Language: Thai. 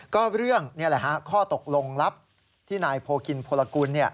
ก็เรื่องข้อตกลงลับที่นายโพกินโพลกุล